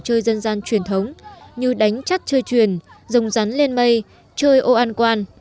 chơi dân gian truyền thống như đánh chắt chơi truyền dòng rắn lên mây chơi ô ăn quàn